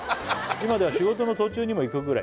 「今では仕事の途中にも行くぐらい」